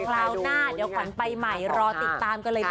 คราวหน้าเดี๋ยวขวัญไปใหม่รอติดตามกันเลยจ้